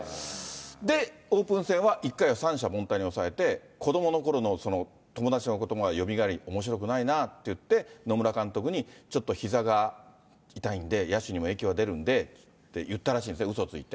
で、オープン戦は１回を三者凡退に抑えて、子どものころの友達のことばがよみがえり、おもしろくないなって言って、野村監督にちょっとひざが痛いんで、野手にも影響が出るんでって言ったらしいんですね、うそついて。